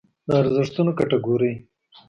د ارزښتونو کټګورۍ